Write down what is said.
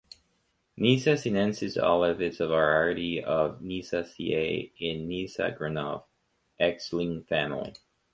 Nyssa sinensis Oliv is a variety of Nyssaceae in Nyssa Gronov. ex Linn family.